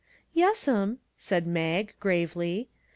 " Yes'm," said Mag, gravely.